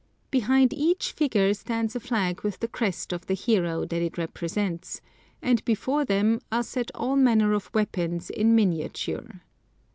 Behind each figure stands a flag with the crest of the hero that it represents, and before them are set all manner of weapons in miniature.